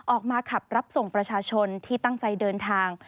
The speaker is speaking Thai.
ออกมาขับรับส่งประชาชนที่ตั้งใจเดินทาง